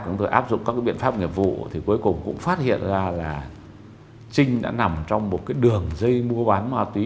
chúng tôi áp dụng các biện pháp nghiệp vụ thì cuối cùng cũng phát hiện ra là trinh đã nằm trong một cái đường dây mua bán ma túy